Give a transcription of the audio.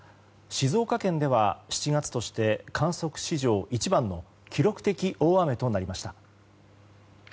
静岡県では７月として観測史上１番の記録的大雨となりました。